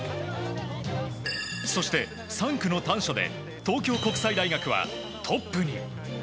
そして、３区の丹所で東京国際大学はトップに。